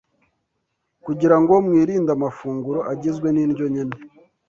kugira ngo mwirinde amafunguro agizwe n’indyo nkene.”